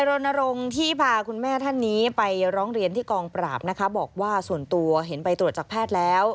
รณรงค์ที่พาคุณแม่ท่านนี้ไปร้องเรียนที่กองปราบนะคะบอกว่าส่วนตัวเห็นไปตรวจจากแพทย์แล้ว